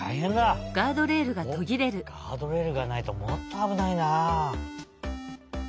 おっガードレールがないともっとあぶないなあ。